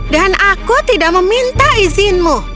dan aku tidak meminta izinmu